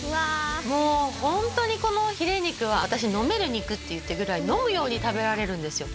もうホントにこのヒレ肉は私飲める肉っていってるぐらい飲むように食べられるんですよ